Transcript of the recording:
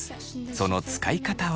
その使い方は。